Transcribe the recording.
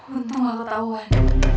untung aku tau wan